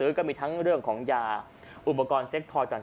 ก็มีทั้งเรื่องของยาอุปกรณ์เซ็กทอยต่าง